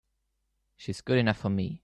She's good enough for me!